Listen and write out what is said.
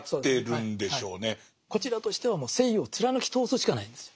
こちらとしてはもう誠意を貫き通すしかないんですよ。